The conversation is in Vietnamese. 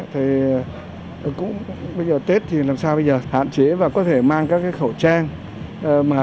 thì cũng bây giờ tết thì làm sao bây giờ hạn chế và có thể mang các cái khẩu trang